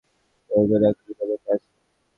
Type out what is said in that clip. আমার ধারণা, এই মুহুর্তে আমরা দুজন একই জগতে আছি।